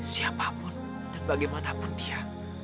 siapapun dan bagaimanapun dia